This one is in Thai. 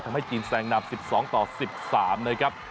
ทำให้จีนแซงนำ๑๒ต่อ๑๓นะครับ